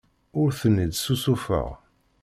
Ur ten-id-ssusufeɣ.